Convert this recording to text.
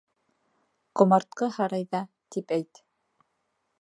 Ҡомартҡы һарайҙа, тип әйт!